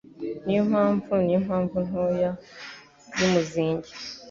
niyo mpamvu niyo mpamvu ntoya yumuzingi